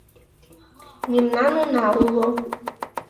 — Мемнан уна уло.